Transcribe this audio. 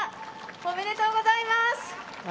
おめでとうございます。